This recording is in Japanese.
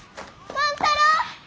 万太郎！